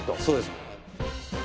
そうです。